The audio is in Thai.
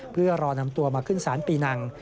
เพื่อรอนำตัวมาขึ้นศาลปีนัง